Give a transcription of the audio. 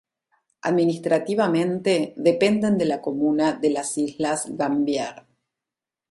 Administrativamente dependen de la comuna de las Islas Gambier.